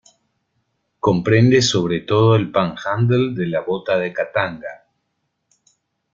Comprende sobre todo el panhandle de la bota de Katanga.